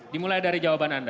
dimulai dari jawaban anda